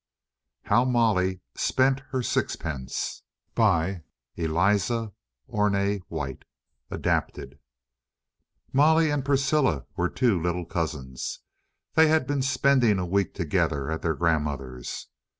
How Molly spent her Sixpence ELIZA ORNE WHITE (Adapted) Molly and Priscilla were two little cousins. They had been spending a week together at their grandmother's.